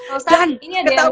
ustahan ini ada yang